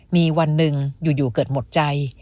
มีวันหนึ่งอยู่เกิดหมดใจ